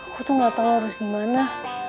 aku tuh nggak tahu harus dimana